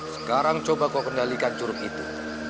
sekarang coba kau kendalikan curug itu